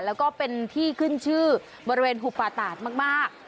แล้วก็เป็นที่ขึ้นชื่อบริเวณหุบป่าตาดมาก